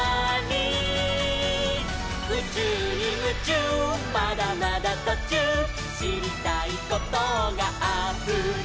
「うちゅうにムチューまだまだとちゅう」「しりたいことがあふれる」